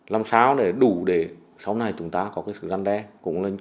làm sao để đủ để sau này chúng ta có cái sự gian đe